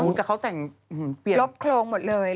น้องชาติแต่ง